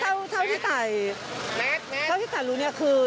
เท่าที่ตายเท่าที่ตายรู้เนี่ยคือ